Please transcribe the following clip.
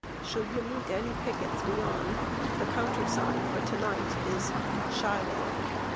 Should you meet any pickets beyond, the countersign for to night is 'Shiloh.'